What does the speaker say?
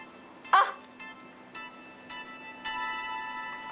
あっ。